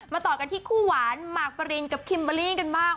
มาต่อกันที่คู่หวานมากฟรินกับคิมบารี่กันมา